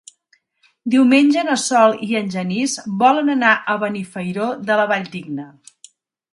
Diumenge na Sol i en Genís volen anar a Benifairó de la Valldigna.